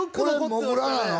これもぐらなの？